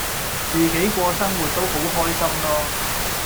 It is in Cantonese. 自己過生活都好開心囉